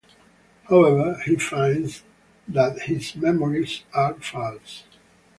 However, he finds that his memories are false.